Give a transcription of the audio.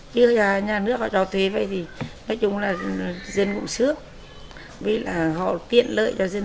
nhưng nhà nước họ cho thuê vậy thì nói chung là dân cũng sướng vì là họ tiện lợi cho dân